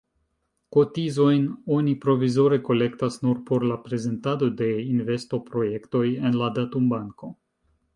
Kotizojn oni provizore kolektas nur por la prezentado de investoprojektoj en la datumbanko.